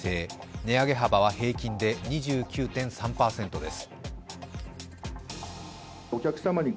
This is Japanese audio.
値上げ幅は平均で２９．３％です。